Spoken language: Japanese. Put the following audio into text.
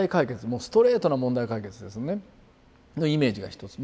もうストレートな問題解決ですねのイメージが一つ。